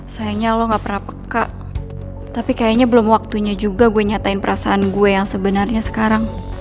sayangnya lo gak pernah peka tapi kayaknya belum waktunya juga gue nyatain perasaan gue yang sebenarnya sekarang